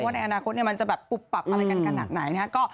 ในอนาคตมันจะแบบปุบปับอะไรกันขนาดไหนนะครับ